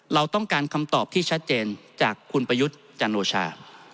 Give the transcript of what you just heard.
เราต้องการคำตอบที่ชัดเจนจากคุณประยุทธ์จันโอชา